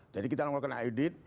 jadi kita mengumpulkan audit